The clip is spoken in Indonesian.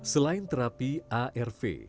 selain terapi arv